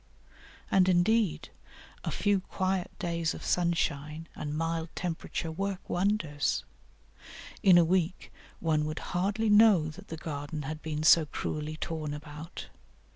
And indeed a few quiet days of sunshine and mild temperature work wonders. In a week one would hardly know that the garden had been so cruelly torn about.